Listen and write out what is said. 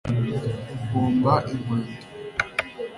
gomba inkweto